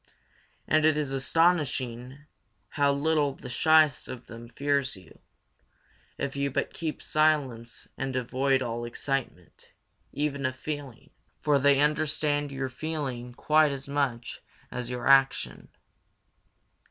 And it is astonishing how little the shyest of them fears you, if you but keep silence and avoid all excitement, even of feeling; for they understand your feeling quite as much as your action.